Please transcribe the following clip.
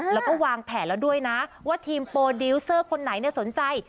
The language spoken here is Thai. แล้วก็วางแผนแล้วด้วยนะว่าทีมโปรดิวเซอร์คนไหนสนใจ